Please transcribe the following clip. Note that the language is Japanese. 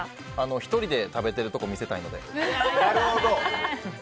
１人で食べてるところ見せたいので。